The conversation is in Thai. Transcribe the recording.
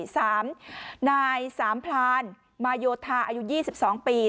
สามนายสามพรานมาโยธาอายุ๒๒ปี